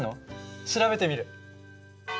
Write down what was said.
調べてみる！